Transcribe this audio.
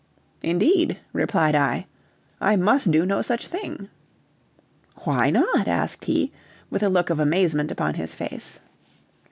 "Indeed!" replied I, "I must do no such thing." "Why not?" asked he, with a look of amazement upon his face.